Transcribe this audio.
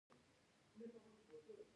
خو په معنوي لحاظ لوی مسوولیت لرونکي خلک دي.